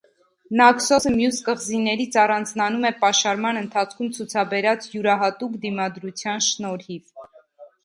Նաքսոսը մյուս կղզիներից առանձնանում է պաշարման ընթացքում ցուցաբերած յուրահատուկ դիմադրության շնորհիվ։